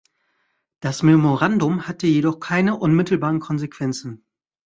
Das Memorandum hatte jedoch keine unmittelbaren Konsequenzen.